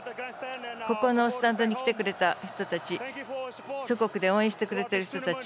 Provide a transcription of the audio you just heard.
スタンドに来てくれた人たち祖国で応援してくれている人たち。